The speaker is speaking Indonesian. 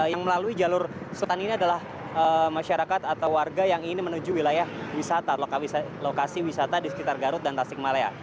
yang melalui jalur selatan ini adalah masyarakat atau warga yang ingin menuju wilayah lokasi wisata di sekitar garut dan tasikmalaya